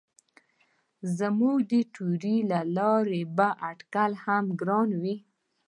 زموږ د تیورۍ له لارې به اټکل هم ګران وي.